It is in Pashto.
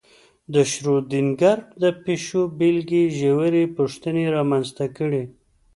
د شرودینګر د پیشو بېلګې ژورې پوښتنې رامنځته کړې.